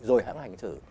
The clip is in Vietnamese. rồi hãng hành cái sự